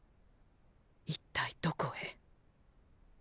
一体どこへ。